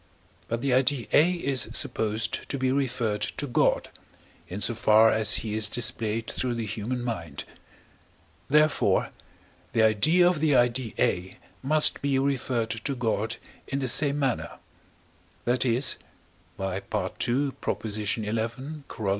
But the idea A is supposed to be referred to God, in so far as he is displayed through the human mind; therefore, the idea of the idea A must be referred to God in the same manner; that is (by II. xi. Coroll.)